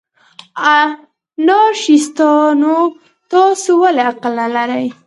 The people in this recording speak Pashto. انارشیستانو، تاسې ولې عقل نه لرئ؟